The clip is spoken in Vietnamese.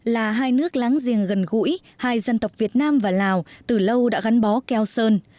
là hai nước láng giềng gần gũi hai dân tộc việt nam và lào từ lâu đã gắn bó keo sơn